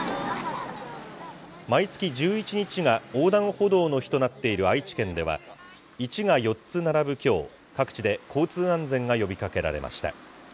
毎月１１日が横断歩道の日となっている愛知県では、１が４つ並ぶきょう、各地で交通安全が呼びかけられました。